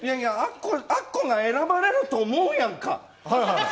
アッコが選ばれると思うやんか。